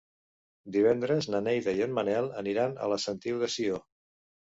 Divendres na Neida i en Manel aniran a la Sentiu de Sió.